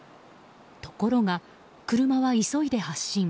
ところが、車は急いで発進。